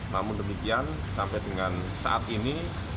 namun demikian sampai dengan saat ini